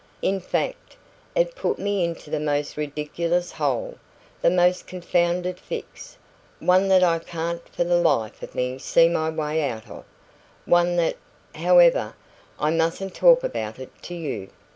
"In fact, it put me into the most ridiculous hole, the most confounded fix one that I can't for the life of me see my way out of; one that However, I mustn't talk about it to you.